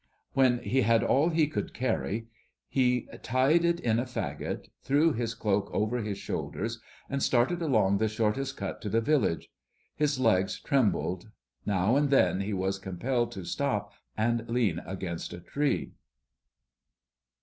When he had all he could carry, he tied it in a fagot, threw his cloak over his shoulders, and started along the shortest cut to the village. His legs trembled. Now and then he was compelled to stop and lean against a tree.